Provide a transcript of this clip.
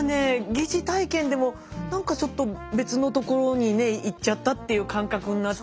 疑似体験でも何かちょっと別のところにね行っちゃったっていう感覚になって。